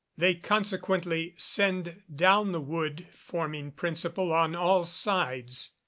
They consequently send down the wood forming principle on all sides.